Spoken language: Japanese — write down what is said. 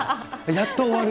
やっと終わる。